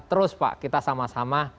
terus pak kita sama sama